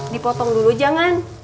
dipotong dulu jangan